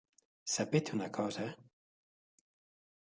Sapete una cosa?